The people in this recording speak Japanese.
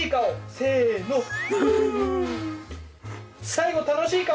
最後楽しい顔！